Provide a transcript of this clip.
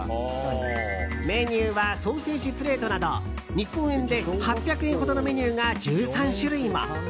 メニューはソーセージプレートなど日本円で８００円ほどのメニューが１３種類も。